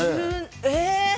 え？